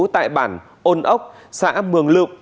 tại bản ôn ốc xã mường lục